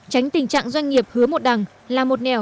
tránh tình trạng doanh nghiệp hứa một đằng là một nẻo